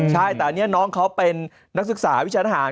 ใช่แต่อันนี้น้องเขาเป็นนักศึกษาวิชาทหาร